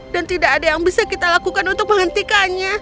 dan tidak ada yang bisa kita lakukan untuk menghentikannya